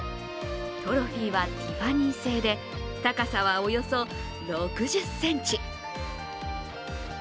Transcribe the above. トロフィーは、ティファニー製で高さはおよそ６０ｃｍ。